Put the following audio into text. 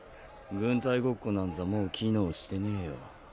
軍隊ごっこなんざもう機能してねえよ。